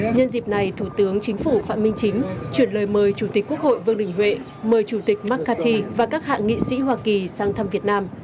nhân dịp này thủ tướng chính phủ phạm minh chính chuyển lời mời chủ tịch quốc hội vương đình huệ mời chủ tịch mccarthy và các hạ nghị sĩ hoa kỳ sang thăm việt nam